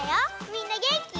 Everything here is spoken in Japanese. みんなげんき？